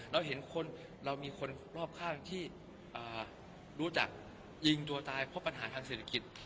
เราเห็นคนเรามีคนรอบข้างที่รู้จักยิงตัวตายเพราะปัญหาทางเศรษฐกิจ